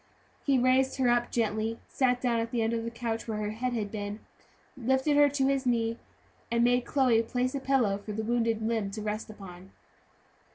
He raised her up gently, sat down on the end of the couch where her head had been, lifted her to his knee, and made Chloe place a pillow for the wounded limb to rest upon.